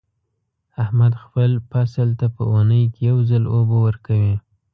احمد خپل فصل ته په اونۍ کې یو ځل اوبه ورکوي.